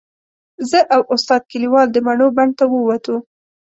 زه او استاد کلیوال د مڼو بڼ ته ووتو.